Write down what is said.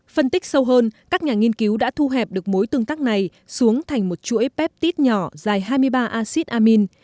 phân tích sâu hơn các nhà nghiên cứu đã thu hẹp được mối tương tác này xuống thành một chuỗi peptide nhỏ dài hai mươi ba acid amine